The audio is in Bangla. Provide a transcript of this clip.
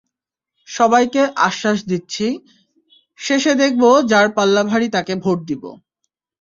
সবাইকে আশ্বাস দিচ্ছি, শেষে দেখব যার পাল্লা ভারী তাকে ভোট দিব।